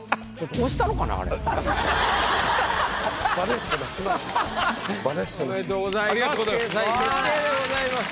おめでとうございます。